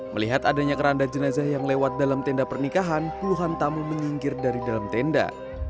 melihat adanya keranda jenazah yang lewat dalam tenda pernikahan puluhan tamu menyingkir dari dalam tenda